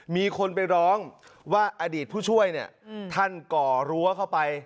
มีคนไปร้องว่าอดีตผู้ช่วยเนี่ยท่านก่อรั้วเข้าไป